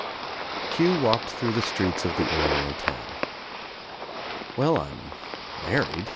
Hugh walked through the streets of the Illinois town. "Well, I'm married.